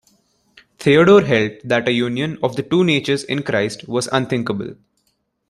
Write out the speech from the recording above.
Theodore held that a union of the two natures in Christ was unthinkable.